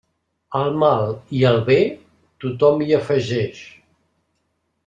Al mal i al bé, tothom hi afegeix.